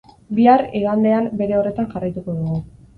Bihar, igandean bere horretan jarraituko dugu.